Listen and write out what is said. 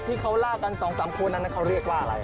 ที่เขาร่ากันสองสามคนนั่นเขาเรียกว่าอะไร